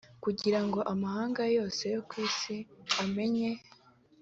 Kugira ngo amahanga yose yo mu isi amenye